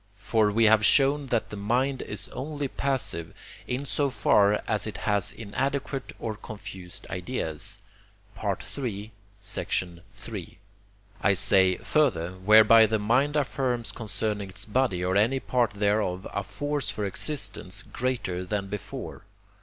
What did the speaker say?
For we have shown that the mind is only passive, in so far as it has inadequate or confused ideas. (III. iii.) I say, further, whereby the mind affirms concerning its body or any part thereof a force for existence greater than before.